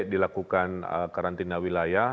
dilakukan karantina wilayah